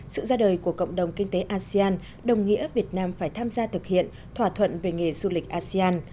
sự ra đời của cộng đồng kinh tế asean đồng nghĩa việt nam phải tham gia thực hiện thỏa thuận về nghề du lịch asean